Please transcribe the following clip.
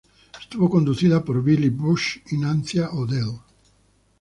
Estuvo conducida por Billy Bush y Nancy O'Dell.